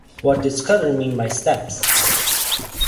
What did Scudder mean by steps?